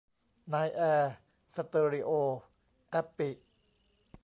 นายแอสเตอริโอ แอปปิ